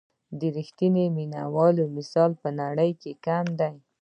د رښتیني مینې مثال په نړۍ کې کم دی.